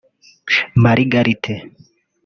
Margarite